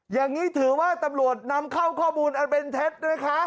อย่างนี้ถือว่าตำรวจนำเข้าข้อมูลอันเป็นเท็จนะคะ